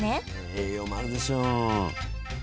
栄養もあるでしょう。